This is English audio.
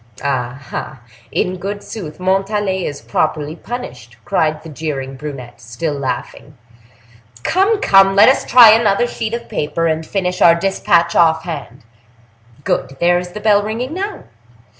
"Ah, ah! in good sooth, Montalais is properly punished," cried the jeering brunette, still laughing. "Come, come! let us try another sheet of paper, and finish our dispatch off hand. Good! there is the bell ringing now.